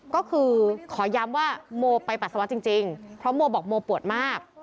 ก็คือขอย้ำว่าโมไปปัสสาวะจริงเพราะโมบอกโมปวดมาก